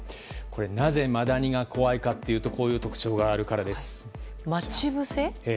なぜマダニが怖いかというとこういう特徴があるからです。